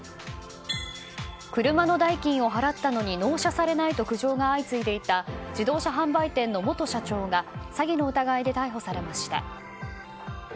車の代金を払ったのに納車されないと苦情が相次いでいた自動車販売店の元社長が詐欺の疑いで逮捕されました。